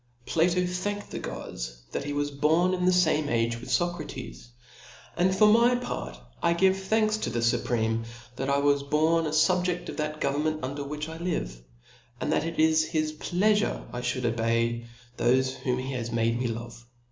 Pjaf6 thanked the Gods, that he was born in the fame age with Socrates : and for my part I give thanks to the Supreme, that I was born a fubjcdl of that government under which I live i and that it is his plea* fure I (hould obey thofe whom he has made me love.